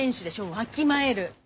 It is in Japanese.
わきまえる！